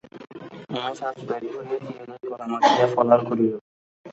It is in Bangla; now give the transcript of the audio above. উমেশ আজ পেট ভরিয়া চিঁড়ে দই কলা মাখিয়া ফলার করিল।